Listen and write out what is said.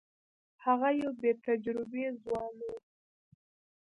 هغه یو بې تجربې ځوان وو.